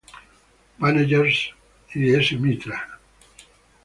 Banerjee and S. Mitra, Spec.